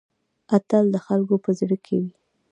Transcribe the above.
اتل د خلکو په زړه کې وي؟